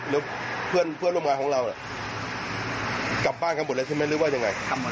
แล้วเพื่อนงานหน้ากลับบ้านเรากลับบ้านเรียกว่าเปล่าไหมครับ